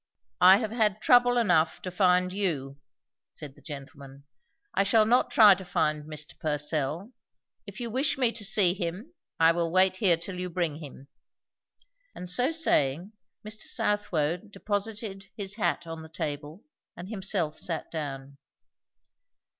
"I have had trouble enough to find you," said the gentleman; "I shall not try to find Mr. Purcell. If you wish me to see him, I will wait here till you bring him." And so saying, Mr. Southwode deposited his hat on the table and himself sat down.